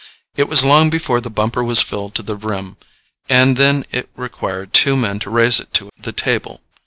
It was long before the bumper was filled to the rim, and then it required two men to raise it to the table.